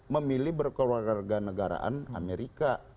memilih berkeluarga negaraan amerika